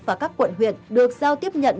và các quận huyện được giao tiếp nhận